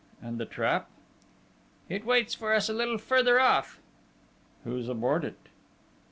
And the trap?" "It waits for us a little further off." "Who's aboard it?"